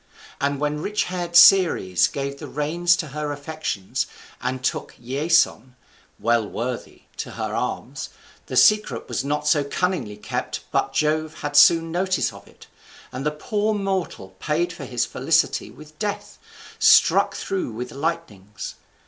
And when rich haired Ceres gave the reins to her affections, and took Iasion (well worthy) to her arms, the secret was not so cunningly kept but Jove had soon notice of it, and the poor mortal paid for his felicity with death, struck through with lightnings.